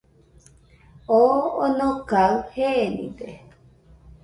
Oo onokaɨ jenide.